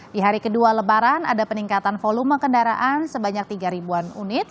di hari kedua lebaran ada peningkatan volume kendaraan sebanyak tiga an unit